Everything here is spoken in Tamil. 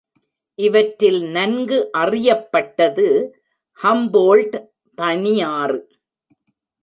இவற்றில் நன்கு அறியப்பட்டது ஹம்போல்ட் பனியாறு.